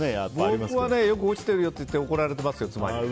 僕はよく落ちてるよって言って怒られてますよ、妻に。